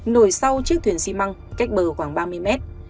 nổi sau chiếc thuyền xi măng cách bờ khoảng ba mươi mét